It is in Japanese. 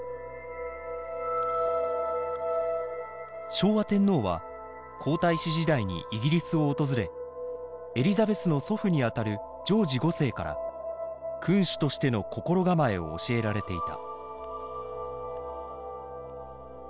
昭和天皇は皇太子時代にイギリスを訪れエリザベスの祖父にあたるジョージ５世から君主としての心構えを教えられていた。